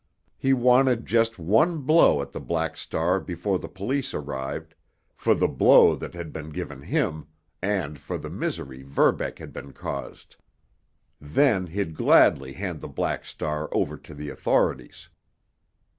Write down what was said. He wanted just one blow at the Black Star before the police arrived, for the blow that had been given him, and for the misery Verbeck had been caused. Then he'd gladly hand the Black Star over to the authorities.